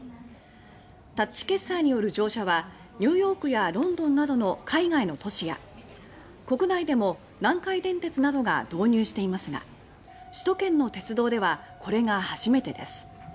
タッチ決済による乗車はニューヨークやロンドンなどの海外の都市や国内でも南海電鉄などが導入していますが首都圏の鉄道ではこれが初めてです。